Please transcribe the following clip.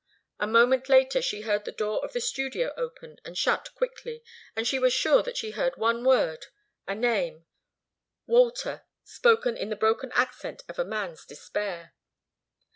A moment later she heard the door of the studio open and shut quickly, and she was sure that she heard one word, a name Walter spoken in the broken accent of a man's despair.